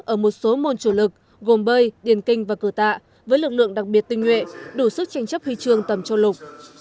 ở một số môn chủ lực gồm bơi điền kinh và cửa tạ với lực lượng đặc biệt tinh nhuệ đủ sức tranh chấp huy chương tầm châu lục